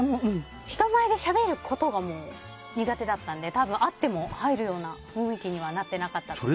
人前でしゃべることがまず苦手だったので多分、あっても入るような雰囲気にはなってなかったと思います。